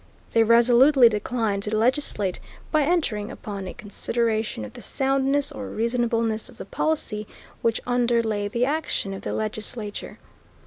They resolutely declined to legislate by entering upon a consideration of the soundness or reasonableness of the policy which underlay the action of the legislature.